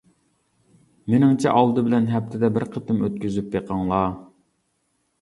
مېنىڭچە ئالدى بىلەن ھەپتىدە بىر قېتىم ئۆتكۈزۈپ بېقىڭلار.